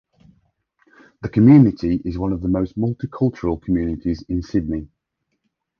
The community is one of the most multi-cultural communities in Sydney.